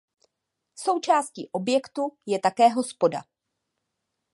Součástí objektu je také hospoda.